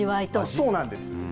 そうなんです。